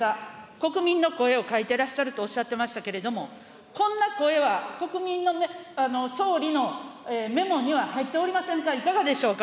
国民の声を書いてらっしゃるとおっしゃってましたけれども、こんな声は国民の、総理のメモには入っておりませんか、いかがでしょうか。